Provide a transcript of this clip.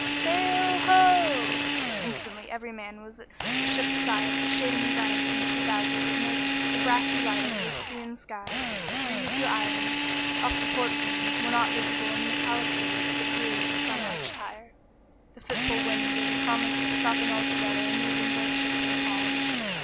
"Sail ho oo!" Instantly every man was at the ship's side, shading his eyes against the dazzle that made a brassy light over sea and sky. The Ryukyu Islands, off the port beam, were not visible in the metallic haze that grew as the sun arched higher. The fitful wind gave promise of stopping altogether and leaving both ships becalmed.